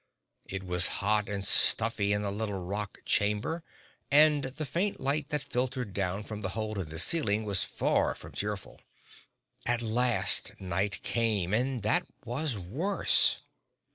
It was hot and stuffy in the little rock chamber and the faint light that filtered down from the hole in the ceiling was far from cheerful. At last night came, and that was worse.